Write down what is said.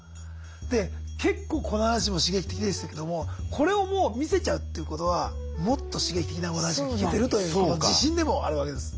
で結構この話も刺激的でしたけどもこれをもう見せちゃうっていうことはもっと刺激的なお話が聞けてるという自信でもあるわけです。